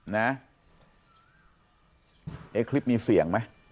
เนี่ย